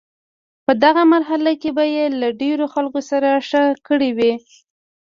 په دغه مرحله کې به یې له ډیرو خلکو سره ښه کړي وي.